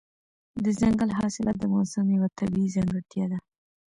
دځنګل حاصلات د افغانستان یوه طبیعي ځانګړتیا ده.